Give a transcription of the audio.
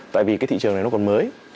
tại vì cái thị trường này nó còn mới